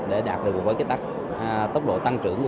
để đạt được một kế tắc tốc độ tăng trưởng